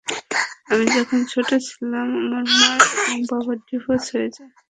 আমি যখন ছোট ছিলাম, আমার মা এবং বাবার ডিভোর্স হয়ে যায়।